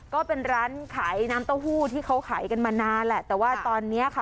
ก็เป็นร้านขายน้ำเต้าหู้ที่เขาขายกันมานานแหละแต่ว่าตอนนี้ค่ะ